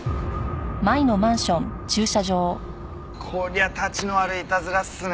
こりゃたちの悪いいたずらっすね。